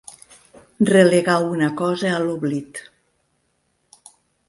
Relegar una cosa a l'oblit.